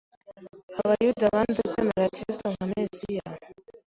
Abayuda banze kwemera Kristo nka Mesiya